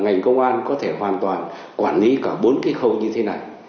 ngành công an có thể hoàn toàn quản lý cả bốn cái khâu như thế này